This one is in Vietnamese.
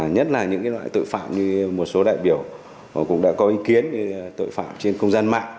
nhất là những loại tội phạm như một số đại biểu cũng đã có ý kiến tội phạm trên không gian mạng